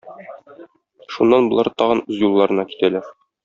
Шуннан болар тагын үз юлларына китәләр.